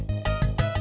saya sudah selesai